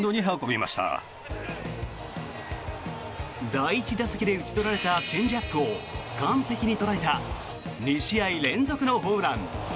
第１打席で打ち取られたチェンジアップを完璧に捉えた２試合連続のホームラン。